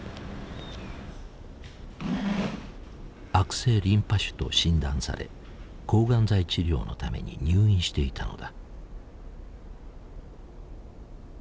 悪性リンパ腫と診断され抗がん剤治療のために入院していたのだ。